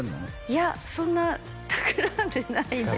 いやそんな企んでないですよ